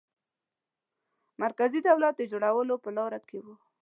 مرکزي دولت د جوړولو په لاره کې وو.